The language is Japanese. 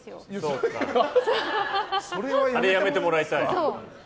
あれをやめてもらいたいと。